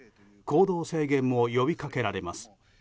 行動制限も呼びかけられます。